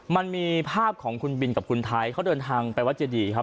มันมีภาพของคุณบินกับคุณไทยเขาเดินทางไปวัดเจดีครับ